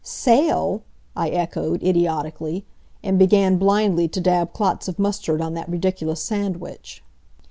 "Sail!" I echoed, idiotically; and began blindly to dab clots of mustard on that ridiculous sandwich.